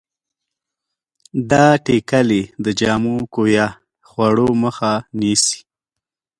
دا ټېکلې د جامو کویه خوړو مخه نیسي.